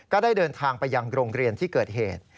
ก็ได้เดินทางไปยังโรงเรียนที่เกิดเหตุ